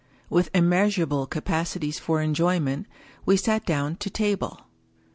With im measurable capacities for enjoyment, we sat down to table.